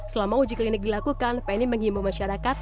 sama uji klinik dilakukan penny mengimbu masyarakat